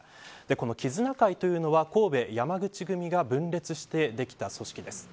この絆曾というのは神戸山口組が分裂してできた組織です。